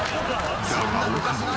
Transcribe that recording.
［だが岡野。